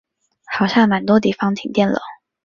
好像蛮多地方停电了